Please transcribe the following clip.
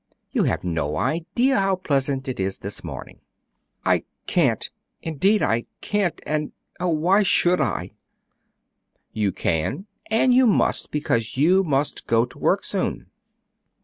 You have no idea how pleasant it is this morning." "I can't, indeed I can't! and, oh, why should I?" "You can and you must, because you must go to work soon."